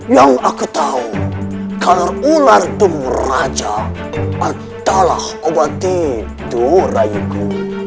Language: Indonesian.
yang aku tahu kalau ular bumi raja adalah obat itu raihku